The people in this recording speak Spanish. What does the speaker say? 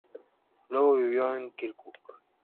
Luego vivió en Kirkuk.